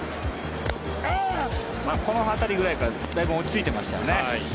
この辺りくらいからだいぶ落ち着いていましたよね。